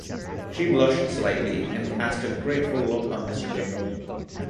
She blushed slightly, and cast a grateful look on Mr. Jingle.